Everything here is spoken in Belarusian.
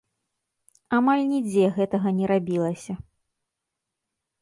Амаль нідзе гэтага не рабілася.